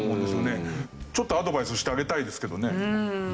ちょっとアドバイスしてあげたいですけどね。